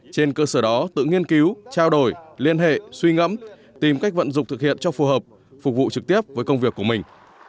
trên cơ sở đó tự nghiên cứu trao đổi liên hệ suy ngẫm tìm cách vận dụng thực hiện cho phù hợp phục vụ trực tiếp với công việc của mình